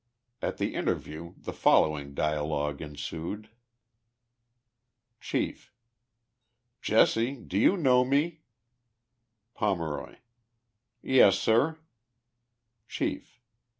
— At the interview the following dialogue ensued : Chief. — u Jesse, do you know me ?" Pomeroy. —*• Yes. sir." Chief.